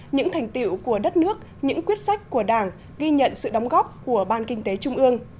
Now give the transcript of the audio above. những thành tiệu của đất nước những quyết sách của đảng ghi nhận sự đóng góp của ban kinh tế trung ương